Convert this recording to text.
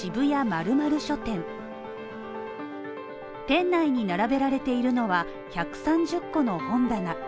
店内に並べられているのは１３０個の本棚。